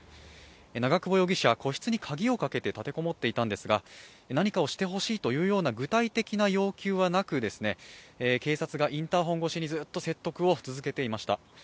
長久保容疑者は個室に鍵をかけて立て籠もっていたんですが、何かをしてほしいというような具体的な要求はなく警察がインターフォン越しにずっと説得を続けていました。